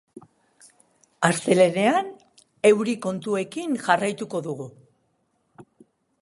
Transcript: Astelehenean euri kontuekin jarraituko dugu.